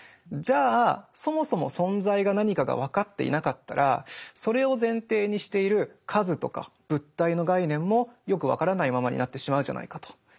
じゃあそもそも存在が何かが分かっていなかったらそれを前提にしている数とか物体の概念もよく分からないままになってしまうじゃないかと。